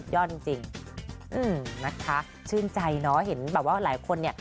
ยอดจริงชื่นใจเนาะเห็นแบบว่าหลายคนเนี่ย